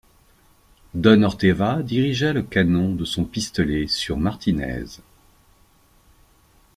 Don Orteva dirigea le canon de son pistolet sur Martinez.